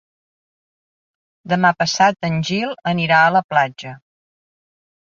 Demà passat en Gil anirà a la platja.